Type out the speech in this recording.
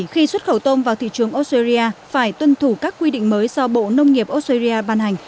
khi xuất khẩu tôm vào thị trường australia phải tuân thủ các quy định mới do bộ nông nghiệp australia ban hành